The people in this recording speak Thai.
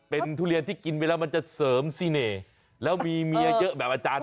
เป็นทุเรียนที่กินไปแล้วมันจะเสริมซีเน่แล้วมีเมียเยอะแบบอาจารย์